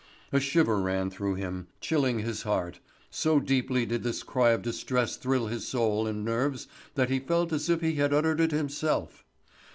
A shiver ran through him, chilling his heart; so deeply did this cry of distress thrill his soul and nerves that he felt as if he had uttered it himself.